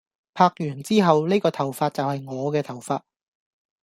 拍完之後，呢個頭髮就係我嘅頭髮